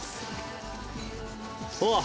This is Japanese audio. うわっ！